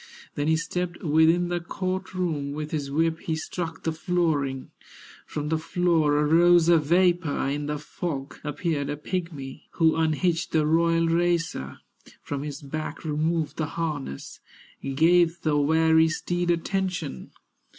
Then he stepped within the court room, With his whip he struck the flooring, From the floor arose a vapor, In the fog appeared a pigmy, Who unhitched the royal racer, From his back removed the harness, Gave the weary steed attention.